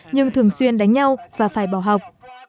nhưng thường xuyên đánh nhau và phải bỏ học